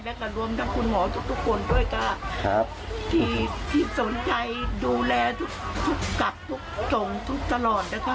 แล้วก็รวมทั้งคุณหมอทุกคนด้วยก็ที่สนใจดูแลทุกกลับทุกส่งทุกตลอดนะคะ